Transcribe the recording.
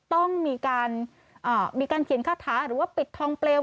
ต้องมีการเขียนคาถาหรือว่าปิดทองเปลว